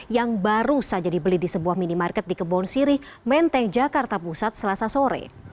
yang baru saja dibeli di sebuah minimarket di kebon sirih menteng jakarta pusat selasa sore